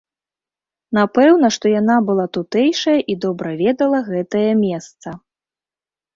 Напэўна, што яна была тутэйшая і добра ведала гэтае месца.